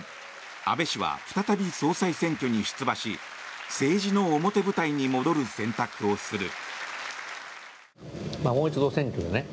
安倍氏は再び総裁選挙に出馬し政治の表舞台に戻る選択をする。